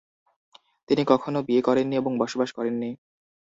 তিনি কখনো বিয়ে করেননি এবং বসবাস করেননি।